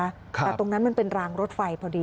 แต่ตรงนั้นมันเป็นรางรถไฟพอดี